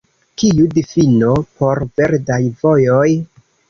Kiu difino por verdaj vojoj?